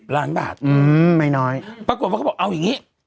ล้านบาทไม่น้อยปรากฏว่าเขาบอกเอาอย่างนี้